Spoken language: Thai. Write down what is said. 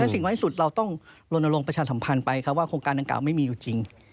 สิ่งไว้สุดเราต้องลนลงประชาสัมพันธ์ไปครับว่าโครงการดังกล่าวไม่มีอยู่จริง